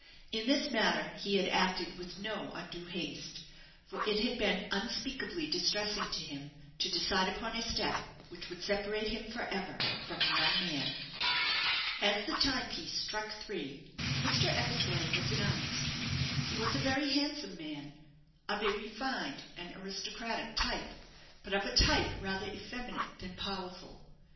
In this matter he had acted with no undue haste; for it had been unspeakably distressing to him to decide upon a step which would separate him for ever from the young man. As the timepiece struck three, Mr. Eversleigh was announced. He was a very handsome man; of a refined and aristocratic type, but of a type rather effeminate than powerful.